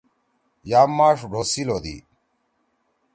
یام ماݜ ڈھوسیِل ہودی۔